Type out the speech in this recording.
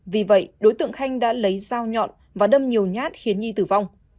vì vậy đối tượng khanh đã lấy dao nhọn và đâm nhiều nhát khiến nhi tử vong